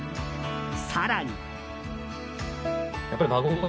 更に。